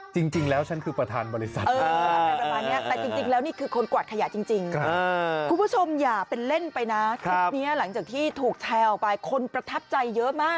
จริงแล้วฉันคือประธานบริษัทอะไรประมาณนี้แต่จริงแล้วนี่คือคนกวาดขยะจริงคุณผู้ชมอย่าเป็นเล่นไปนะคลิปนี้หลังจากที่ถูกแชร์ออกไปคนประทับใจเยอะมาก